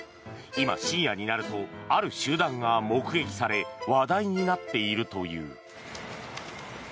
今、深夜になるとある集団が目撃され話題になっているという。